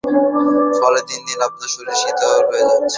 ফলে দিন দিন আপনার শরীর শিথিল হয়ে যাচ্ছে ও শক্তি ক্ষয়ে যাচ্ছে।